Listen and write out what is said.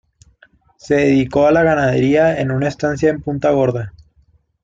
Se dedicó a la ganadería en una estancia en Punta Gorda.